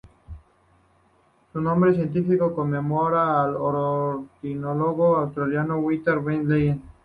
Su nombre científico conmemora al ornitólogo australiano William Vincent Legge.